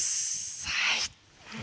はい。